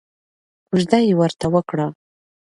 کوژده یې ورته وکړه.